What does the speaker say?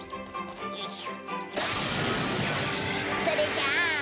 それじゃあ。